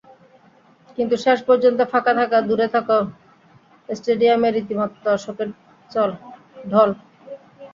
কিন্তু শেষ পর্যন্ত ফাঁকা থাকা দূরে থাক, স্টেডিয়ামে রীতিমতো দর্শকের ঢল।